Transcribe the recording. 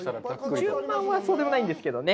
順番はそうでもないんですけどね。